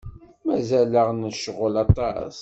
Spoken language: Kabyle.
Mazal-aɣ necɣel aṭas.